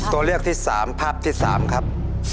ตัวเลือกที่๓ภาพที่๓ครับ